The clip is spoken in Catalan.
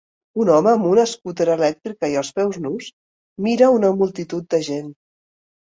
Un home amb una escúter elèctrica i els peus nus mira una multitud de gent.